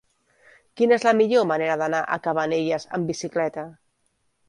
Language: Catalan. Quina és la millor manera d'anar a Cabanelles amb bicicleta?